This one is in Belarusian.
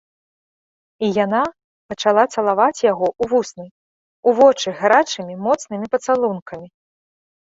І яна пачала цалаваць яго ў вусны, у вочы гарачымі моцнымі пацалункамі.